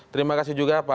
terima kasih juga pak aditya